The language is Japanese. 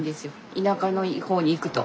田舎の方に行くと。